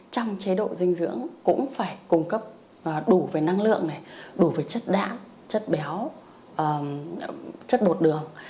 trong chế độ dinh dưỡng cũng phải cung cấp đủ về năng lượng đủ về chất đá chất béo chất bột đường